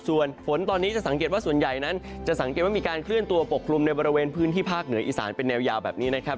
ส่วนฝนตอนนี้จะสังเกตว่าส่วนใหญ่นั้นจะสังเกตว่ามีการเคลื่อนตัวปกคลุมในบริเวณพื้นที่ภาคเหนืออีสานเป็นแนวยาวแบบนี้นะครับ